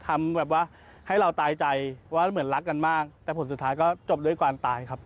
ทำแบบว่าให้เราตายใจว่าเหมือนรักกันมากแต่ผลสุดท้ายก็จบด้วยการตายครับ